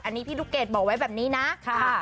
อันนี้พี่ลูกเกดบอกไว้แบบนี้นะค่ะ